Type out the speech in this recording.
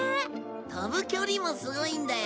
飛ぶ距離もすごいんだよ。